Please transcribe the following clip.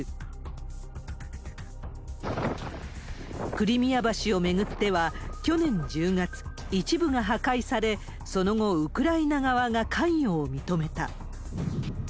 クリミア橋を巡っては、去年１０月、一部が破壊され、その後、ウクライナ側が関与を認めた。